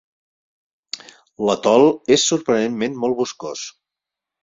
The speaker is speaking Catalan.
L'atol és sorprenentment molt boscós.